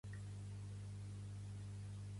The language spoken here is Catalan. Tenir molta merda a la nevera